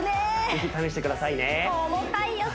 ぜひ試してくださいね重たいよ